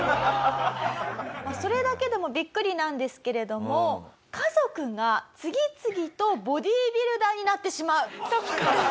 それだけでもビックリなんですけれども家族が次々とボディビルダーになってしまう！